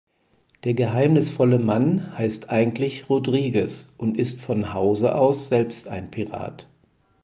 Der geheimnisvolle Mann heißt eigentlich Rodriguez und ist von Hause aus selbst ein Pirat.